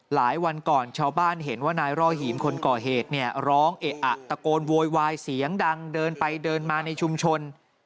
หลายวันก่อนชาวบ้านเห็นว่านายร่อหีมคนก่อเหตุเนี่ยร้องเอะอะตะโกนโวยวายเสียงดังเดินไปเดินมาในชุมชน